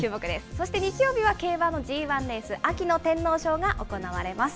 そして日曜日は競馬のＧ１レース、秋の天皇賞が行われます。